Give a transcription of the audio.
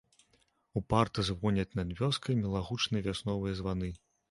Упарта звоняць над вёскай мілагучныя вясновыя званы.